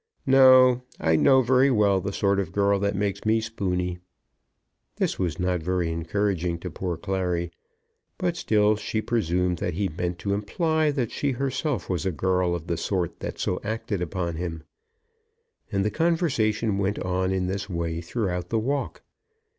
"No; I know very well the sort of girl that makes me spoony." This was not very encouraging to poor Clary, but still she presumed that he meant to imply that she herself was a girl of the sort that so acted upon him. And the conversation went on in this way throughout the walk.